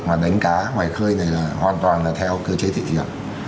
mà đánh cá ngoài khơi này là hoàn toàn là theo cơ chế thị trường